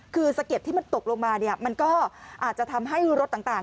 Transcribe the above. คือสะเก็ดที่มันตกลงมาเนี่ยมันก็อาจจะทำให้รถต่าง